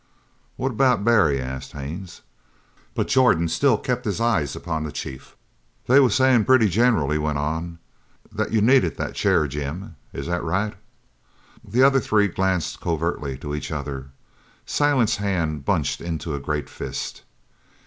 "What about Barry?" asked Haines, but Jordan still kept his eyes upon the chief. "They was sayin' pretty general," he went on, "that you needed that chair, Jim. Is that right?" The other three glanced covertly to each other. Silent's hand bunched into a great fist.